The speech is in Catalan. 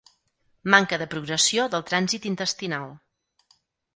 Manca de progressió del trànsit intestinal.